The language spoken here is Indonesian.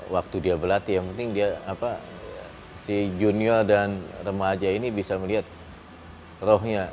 waktu dia berlatih yang penting dia si junior dan remaja ini bisa melihat rohnya